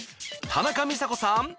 田中美佐子さん